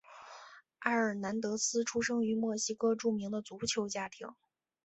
埃尔南德斯出生于墨西哥著名的足球家庭。